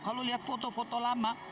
kalau lihat foto foto lama